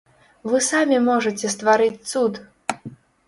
Вы самі можаце стварыць цуд!